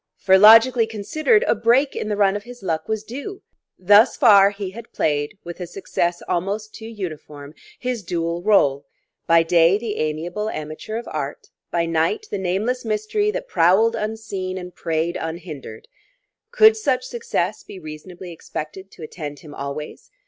For, logically considered, a break in the run of his luck was due. Thus far he had played, with a success almost too uniform, his dual rôle, by day the amiable amateur of art, by night the nameless mystery that prowled unseen and preyed unhindered. Could such success be reasonably expected to attend him always?